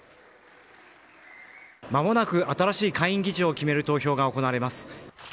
間もなく新しい下院議長を決める投票が行われます。